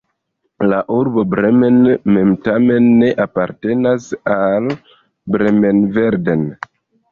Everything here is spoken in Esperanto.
La urbo Bremen mem tamen ne apartenas al Bremen-Verden.